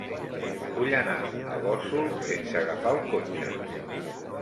Vull anar a Gósol sense agafar el cotxe.